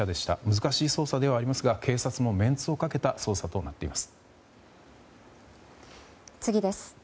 難しい捜査ではありますが警察のメンツをかけた捜査となっています。